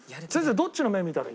どっちの目見たらいい？